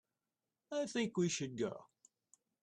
I think we should go.